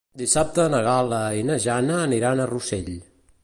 Dissabte na Gal·la i na Jana aniran a Rossell.